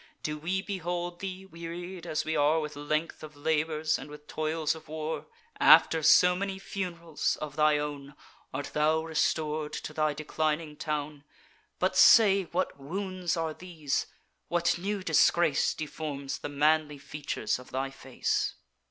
Do we behold thee, wearied as we are With length of labours, and with toils of war? After so many fun'rals of thy own Art thou restor'd to thy declining town? But say, what wounds are these? What new disgrace Deforms the manly features of thy face?